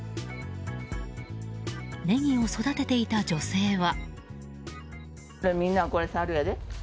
ネギを育てていた女性は。